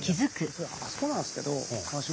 そうだあそこなんですけど。